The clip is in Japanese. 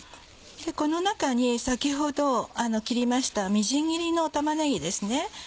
この中に先ほど切りましたみじん切りの玉ねぎですね。